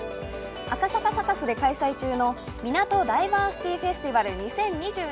赤坂サカスで開催中のみなとダイバーシティフェスティバル２０２２